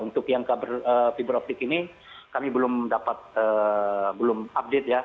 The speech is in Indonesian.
untuk yang kabar fiber optik ini kami belum dapat belum update ya